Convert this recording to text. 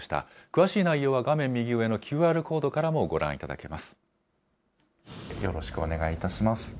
詳しい内容は画面右上のＱＲコードからもご覧いただけます。